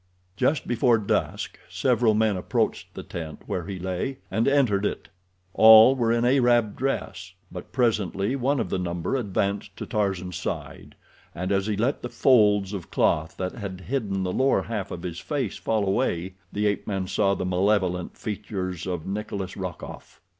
Just before dusk several men approached the tent where he lay, and entered it. All were in Arab dress, but presently one of the number advanced to Tarzan's side, and as he let the folds of cloth that had hidden the lower half of his face fall away the ape man saw the malevolent features of Nikolas Rokoff.